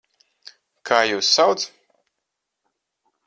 Kā jūs sauc?